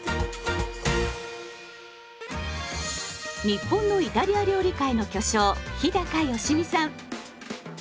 日本のイタリア料理界の巨匠日良実さん。